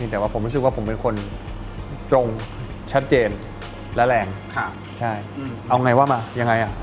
แต่ว่าผมรู้สึกว่าผมเป็นคนตรงชัดเจนและแรงค่ะใช่เอาไงว่ามายังไงอ่ะ